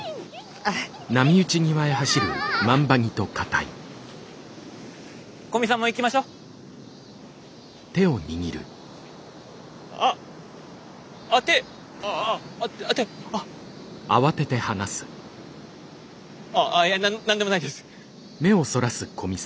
あっやっな何でもないです！